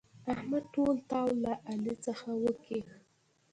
احمد ټول تاو له علي څخه وکيښ.